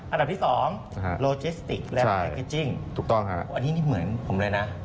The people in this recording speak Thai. อันดับที่๒โลจีสติกและแพ็คเกจจิ้งอันนี้เหมือนผมเลยนะ